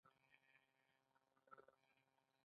اور له انسانانو سره په وسایلو کې مرسته وکړه.